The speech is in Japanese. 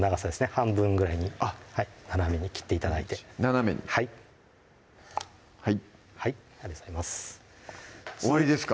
半分ぐらいに斜めに切って頂いて斜めにはいはいありがとうございます終わりですか？